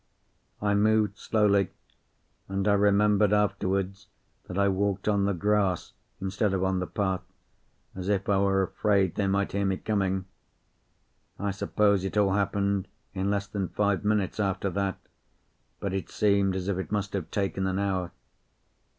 I moved slowly, and I remembered afterwards that I walked on the grass, instead of on the path, as if I were afraid they might hear me coming. I suppose it all happened in less than five minutes after that, but it seemed as if it must have taken an hour.